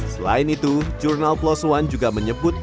selain itu journal plos one juga menyebut